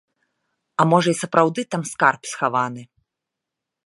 А можа, і сапраўды там скарб схаваны?